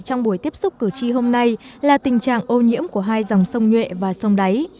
trong buổi tiếp xúc cử tri hôm nay là tình trạng ô nhiễm của hai dòng sông nhuệ và sông đáy